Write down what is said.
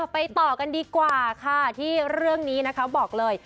ไปต่อกันดีกว่าค่ะที่เรื่องนี้นะคะบอกเลย